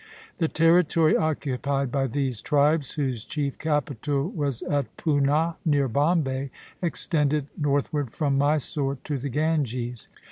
The territory occupied by these tribes, whose chief capital was at Poonah, near Bombay, extended northward from Mysore to the Ganges.